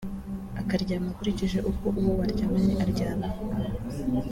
akaryama akurikije uko uwo baryamanye aryamye